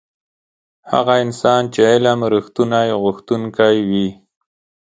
هغه انسان چې علم رښتونی غوښتونکی وي.